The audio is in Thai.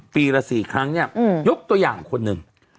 ปีละ๔ครั้งเนี่ยยกตัวอย่างคนหนึ่ง